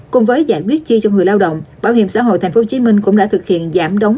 cùng với giải quyết chi cho người lao động bảo hiểm xã hội tp hcm cũng đã thực hiện giảm đóng